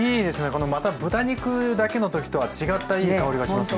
このまた豚肉だけのときとは違ったいい香りがしますね。ね